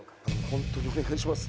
ホントにお願いします。